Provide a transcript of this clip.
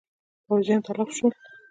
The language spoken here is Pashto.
پوځیان یې تلف شول.